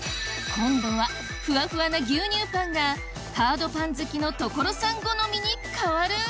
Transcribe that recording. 今度はふわふわな牛乳パンがハードパン好きの所さん好みに変わる？